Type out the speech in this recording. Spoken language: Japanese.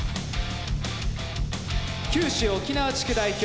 九州沖縄地区代表